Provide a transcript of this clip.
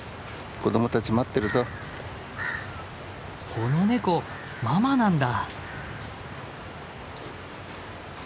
このネコママなんだ！